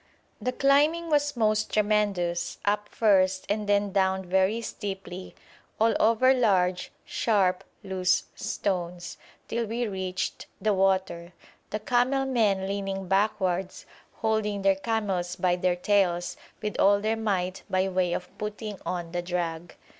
The climbing was most tremendous, up first and then down very steeply, all over large sharp loose stones, till we reached the water, the camel men leaning backwards holding their camels by their tails with all their might by way of putting on the drag.